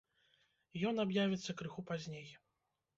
Ён аб'явіцца крыху пазней.